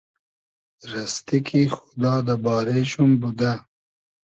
رئستی کی خودا دۂ بارې شوم بودۂ